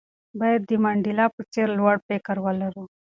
باید د منډېلا په څېر لوړ فکر ولرو.